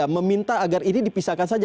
meminta agar ini dipisahkan saja